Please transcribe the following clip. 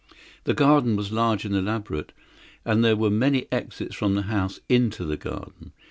The garden was large and elaborate, and there were many exits from the house into the garden.